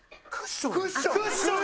クッション？